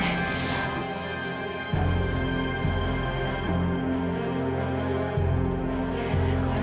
aku harus kuat